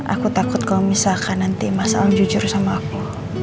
aku takut kalau misalkan nanti mas al jujur sama aku